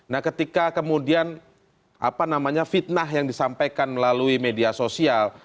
nah ketika kemudian apa namanya fitnah yang disampaikan melalui media sosial